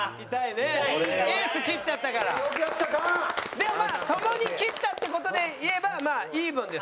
でもともに切ったって事でいえばまあイーブンですから。